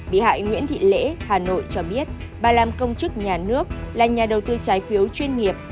bị hại nguyễn thị lễ hà nội cho biết bà làm công chức nhà nước là nhà đầu tư trái phiếu chuyên nghiệp